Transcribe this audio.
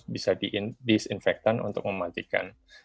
bisa di disinfektan untuk mematikan